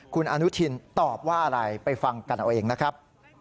คุณอนุทินตอบว่าอะไรไปฟังกันเอาเองนะครับ